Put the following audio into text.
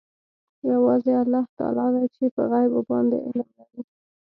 یوازې الله تعلی دی چې په غیبو باندې علم لري.